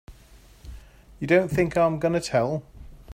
You don't think I'm gonna tell!